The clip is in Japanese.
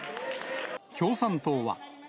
共産党は。